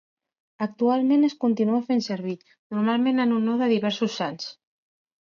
Actualment es continua fent servir, normalment en honor de diversos sants.